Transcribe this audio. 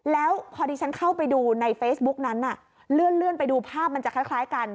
แล้วพอดีฉันเข้าไปดูในเฟซบุ๊กนั้นน่ะเลื่อนไปดูภาพมันจะคล้ายกัน